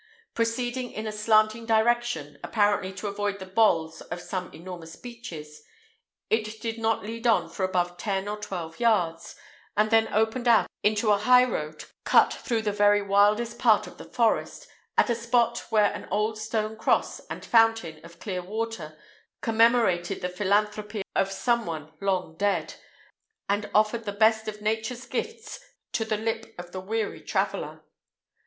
Proceeding in a slanting direction, apparently to avoid the bolls of some enormous beeches, it did not lead on for above ten or twelve yards, and then opened out upon a high road cut through the very wildest part of the forest, at a spot where an old stone cross and fountain of clear water commemorated the philanthropy of some one long dead, and offered the best of Nature's gifts to the lip of the weary traveller.